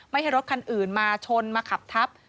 ให้รถคันอื่นมาชนมาขับทับ